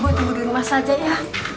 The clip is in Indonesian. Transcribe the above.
gue tunggu di rumah saja ya